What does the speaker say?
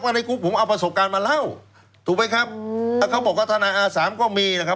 ในกรุ๊ปผมเอาประสบการณ์มาเล่าถูกไหมครับเขาบอกว่าทนายอาสามก็มีนะครับ